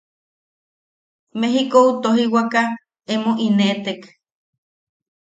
Mejikou tojiwaka emo ineʼetek.